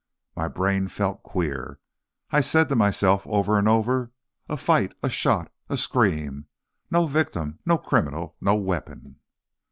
My brain felt queer; I said to myself, over and over, "a fight, a shot, a scream! No victim, no criminal, no weapon!"